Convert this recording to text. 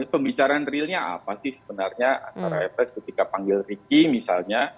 pembicaraan realnya apa sih sebenarnya antara fs ketika panggil ricky misalnya